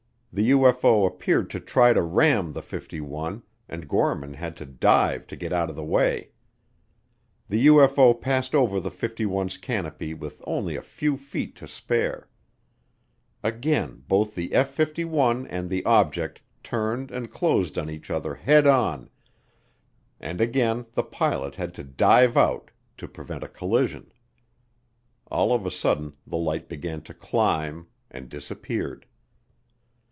The UFO appeared to try to ram the '51, and Gorman had to dive to get out of the way. The UFO passed over the '51's canopy with only a few feet to spare. Again both the F 51 and the object turned and closed on each other head on, and again the pilot had to dive out to prevent a collision. All of a sudden the light began to climb and disappeared.